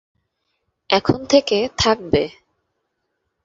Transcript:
এখন থেকে থাকবে।